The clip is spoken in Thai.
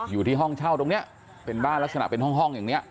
อยู่ที่ห้องเช่าตรงนี้เป็นบ้านลักษณะเป็นห้องอย่างนี้